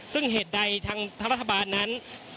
ซึ่งเหตุใดทางรัฐบาลนั้น